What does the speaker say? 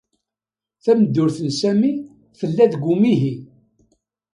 Tameddurt n Sami tella deg umihi.